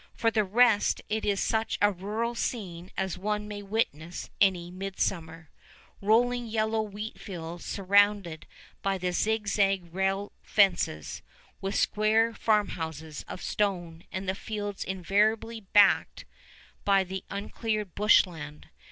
For the rest it is such a rural scene as one may witness any midsummer, rolling yellow wheat fields surrounded by the zigzag rail fences, with square farmhouses of stone and the fields invariably backed by the uncleared bush land.